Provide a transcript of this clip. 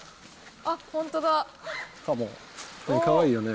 あっ、本当だ。